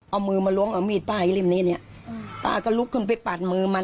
เอามือมาล้วงเอามีดป้าอยู่ริมนี้เนี้ยป้าก็ลุกขึ้นไปปัดมือมัน